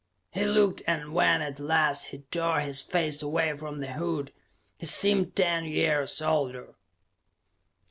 He looked, and when at last he tore his face away from the hood, he seemed ten years older.